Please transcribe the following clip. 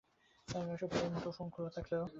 নৈশ প্রহরীর মুঠোফোন খোলা থাকলেও কেউ ফোন ধরছিল না।